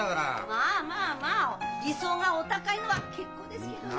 まあまあまあ理想がお高いのは結構ですけどね。